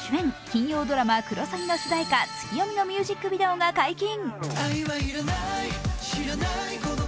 金曜ドラマ「クロサギ」の主題歌「ツキヨミ」のミュージックビデオが解禁。